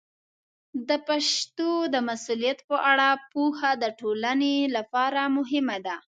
د پښتو د مسوولیت په اړه پوهه د ټولنې لپاره مهمه ده.